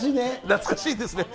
懐かしいですね。